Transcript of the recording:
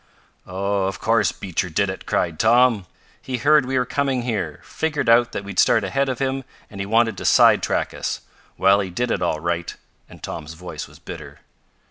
"Oh, of course Beecher did it!" cried Tom. "He heard we were coming here, figured out that we'd start ahead of him, and he wanted to side track us. Well, he did it all right," and Tom's voice was bitter.